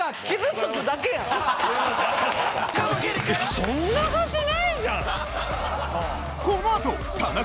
そんなはずないじゃん！